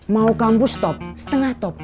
mau kampus top setengah top